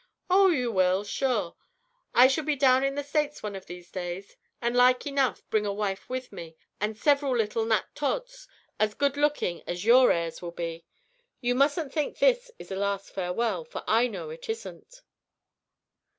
"Oh! you will, sure. I shall be down in the States one of these days, and like enough bring a wife with me, and several little Nat Todds, as good looking as your heirs will be. You mustn't think this is a last farewell, for I know it isn't."